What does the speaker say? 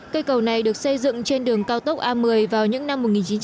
cây cầu này được xây dựng trên đường cao tốc a một mươi vào những năm một nghìn chín trăm bảy mươi